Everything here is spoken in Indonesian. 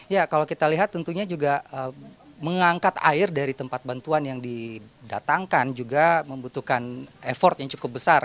ya kalau kita lihat tentunya juga mengangkat air dari tempat bantuan yang didatangkan juga membutuhkan effort yang cukup besar